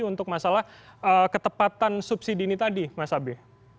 untuk masalah ketepatan subsidi ini tadi mas abe